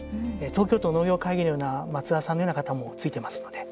東京都農業会議のような松澤さんのような方もついてますので。